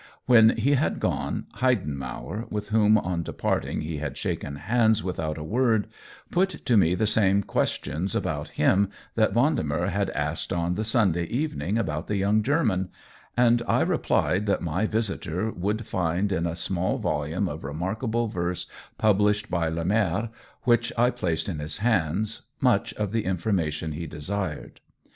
When he had gone Heidenmauer, with whom on departing he had shaken hands without a word, put to me the same questions about him that Vendemer had asked on the Sun day evening about the young German, and I replied that my visitor would find in a 124 COLLABORATION small volume of remarkable verse published by Lemerre, which I placed in his hands, much of the information he desired.